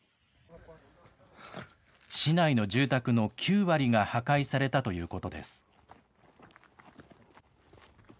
市内の住宅の９割が破壊されたということです。